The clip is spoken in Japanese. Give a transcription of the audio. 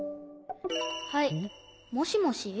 はいもしもし？